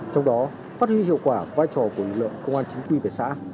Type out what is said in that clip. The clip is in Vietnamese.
trong đó phát huy hiệu quả vai trò của lực lượng công an chính quy về xã